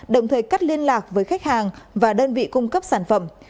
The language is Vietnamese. đồng thời cắt liên lạc với khách hàng và đơn vị cung cấp sản phẩm